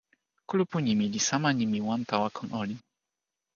kulupu nimi li sama nimi wan tawa kon olin.